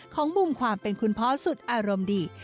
ของมุมความเป็นคุณพ่อสุดอารมณ์ดี